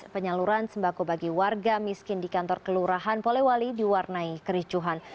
penyaluran sembako bagi warga miskin di kantor kelurahan polewali diwarnai kericuhan